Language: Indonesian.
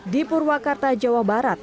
di purwakarta jawa barat